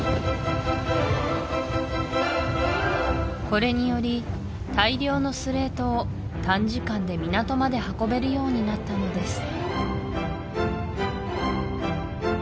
これにより大量のスレートを短時間で港まで運べるようになったのです